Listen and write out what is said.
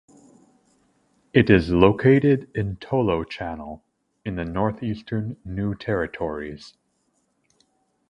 It is located in Tolo Channel, in the northeastern New Territories.